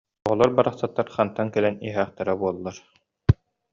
Оҕолор барахсаттар хантан кэлэн иһээхтииллэрэ буолла